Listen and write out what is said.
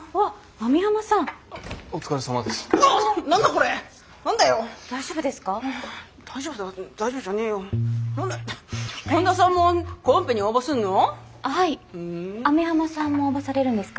網浜さんも応募されるんですか？